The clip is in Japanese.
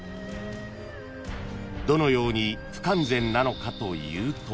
［どのように不完全なのかというと］